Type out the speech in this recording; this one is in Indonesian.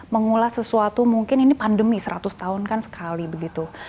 mengulas sesuatu mungkin ini pandemi seratus tahun kan sekali begitu